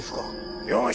よし！